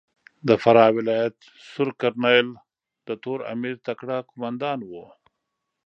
د فراه ولایت سور کرنېل د تور امیر تکړه کومندان ؤ.